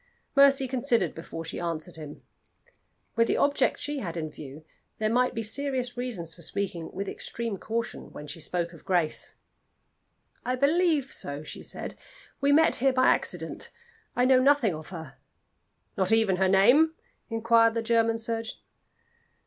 Mercy considered before she answered him. With the object she had in view, there might be serious reasons for speaking with extreme caution when she spoke of Grace. "I believe so," she said. "We met here by accident. I know nothing of her." "Not even her name?" inquired the German surgeon.